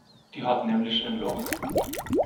Die hat nämlich ein Loch.